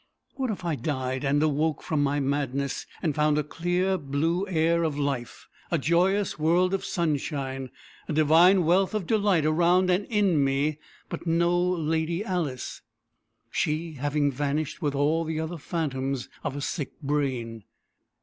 What if I died, and awoke from my madness, and found a clear blue air of life, a joyous world of sunshine, a divine wealth of delight around and in me but no Lady Alice she having vanished with all the other phantoms of a sick brain!